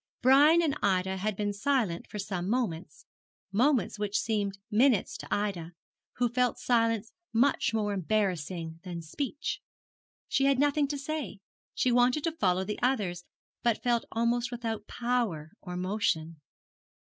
Brian and Ida had been silent for some moments moments which seemed minutes to Ida, who felt silence much more embarrassing than speech. She had nothing to say she wanted to follow the others, but felt almost without power or motion.